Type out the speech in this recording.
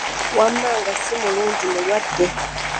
Wamma nga si mulungi mulwadde!